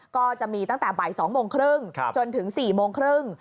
ก็จะมีตั้งแต่บ่าย๒๓๐จนถึง๔๓๐